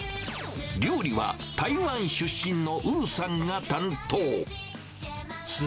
料理は台湾出身のウーさんが担当。